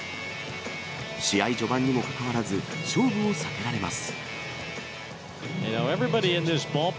試合序盤にもかかわらず、勝負を避けられます。